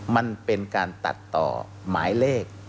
มันเป็นการตัดต่อหมายเลข